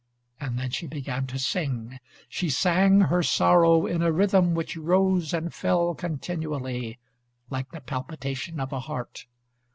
And then she began to sing. She sang her sorrow in a rhythm which rose and fell continually, like the palpitation of a heart.